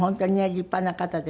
立派な方で。